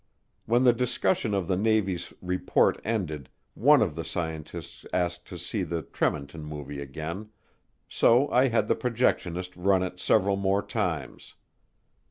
When the discussion of the Navy's report ended, one of the scientists asked to see the Tremonton Movie again; so I had the projectionists run it several more times.